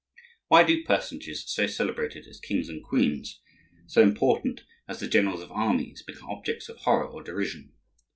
Why do personages so celebrated as kings and queens, so important as the generals of armies, become objects of horror or derision?